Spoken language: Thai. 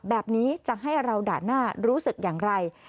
แบบนี้จะให้เราด่านหน้ารู้สึกอย่างไร